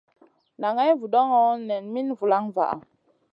Naŋay vudoŋo, nan min vulaŋ vaʼa.